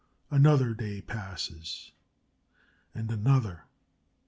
Another day passes, and another.